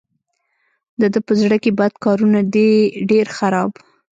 د ده په زړه کې بد کارونه دي ډېر خراب.